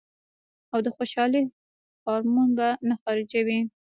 او د خوشالۍ هارمون به نۀ خارجوي -